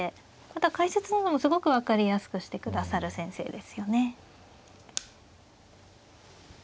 ただ解説の方もすごく分かりやすくしてくださる先生ですよね。